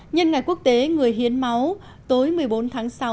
nhân ngày quốc tế người hiến máu tối một mươi bốn tháng sáu